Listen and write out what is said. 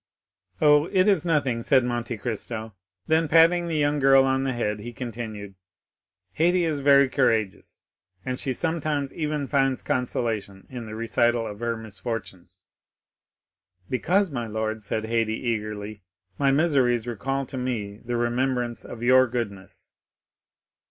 "Oh, it is nothing," said Monte Cristo. Then, patting the young girl on the head, he continued, "Haydée is very courageous, and she sometimes even finds consolation in the recital of her misfortunes." "Because, my lord," said Haydée eagerly, "my miseries recall to me the remembrance of your goodness."